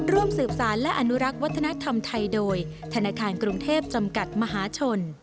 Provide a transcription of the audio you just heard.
ร่วมสืบสารและอนุรักษ์วัฒนธรรมไทยโดยธนาคารกรุงเทพจำกัดมหาชน